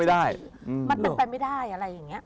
ไม่น่าจะเชื่อมันเป็นไปไม่ได้อะไรอย่างนี้